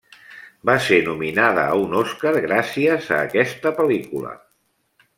Va ser nominada a un Oscar gràcies a aquesta pel·lícula.